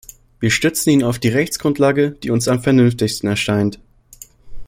Wir stützen ihn auf die Rechtsgrundlage, die uns am vernünftigsten erscheint.